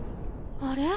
あれ？